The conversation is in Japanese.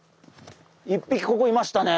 １匹ここいましたね。